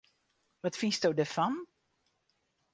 Wat fynsto derfan?